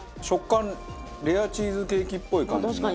食感レアチーズケーキっぽい感じの。